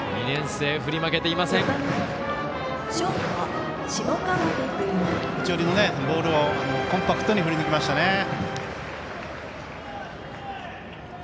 内寄りのボールをコンパクトに振り抜きましたね。